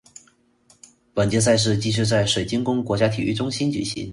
本届赛事继续在水晶宫国家体育中心举行。